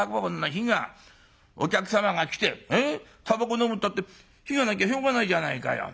お客様が来てたばこのむったって火がなきゃしょうがないじゃないかよ。